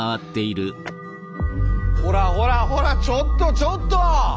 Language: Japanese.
ほらほらほらちょっとちょっと！